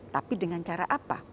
tapi dengan cara apa